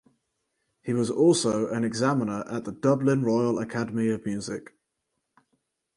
He was also an examiner at the Dublin Royal Academy of Music.